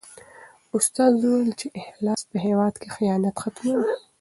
استاد وویل چې اخلاص په هېواد کې خیانت ختموي.